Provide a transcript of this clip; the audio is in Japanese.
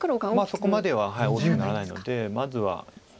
そこまでは大きくならないのでまずは。